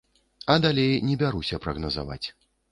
А далей не бяруся прагназаваць.